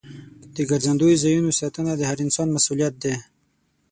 د ګرځندوی ځایونو ساتنه د هر انسان مسؤلیت دی.